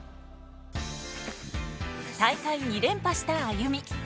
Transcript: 大会２連覇したＡＹＵＭＩ。